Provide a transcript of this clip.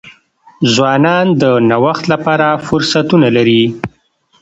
ځوانان د نوښت لپاره فرصتونه لري.